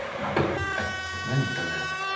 何言ったんだよ。